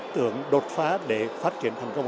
tưởng đột phá để phát triển thành công